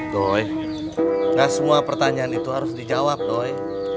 doi enggak semua pertanyaan itu harus dijawab doi